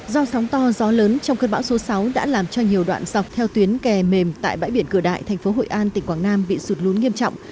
do sóng to gió lớn trong cơn bão số sáu đã làm cho nhiều đoạn dọc theo tuyến kè mềm tại bãi biển cửa đại thành phố hội an tỉnh quảng nam bị sụt lún nghiêm trọng